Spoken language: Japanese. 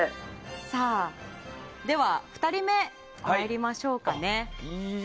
では、２人目参りましょうかね。